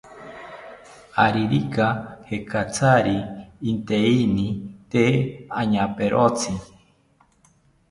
Aririka jekatzari inteini tee añaperotzi